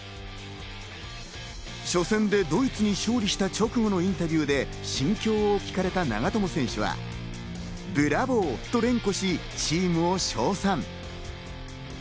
初戦でドイツに勝利した直後のインタビューで、心境を聞かれた長友選手は「ブラボー！」と連呼し、チームを称賛。